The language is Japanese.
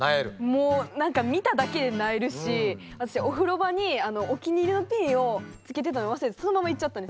もう何か見ただけで萎えるし私お風呂場にお気に入りのピンをつけてたの忘れてそのまま行っちゃったんですよ。